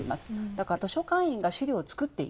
だから図書館員が資料をつくっていく。